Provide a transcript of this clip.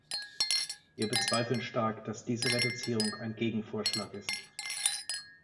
Wir bezweifeln stark, dass diese Reduzierung ein Gegenvorschlag ist.